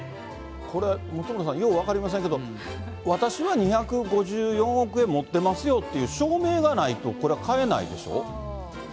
これ、本村さん、よう分かりませんけど、私は２５４億円持ってますよっていう証明がないと、これは買えないでしょ？